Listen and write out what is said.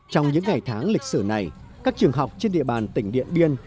trong những ngày tháng lịch sử này các trường học trên địa bàn tỉnh điện biên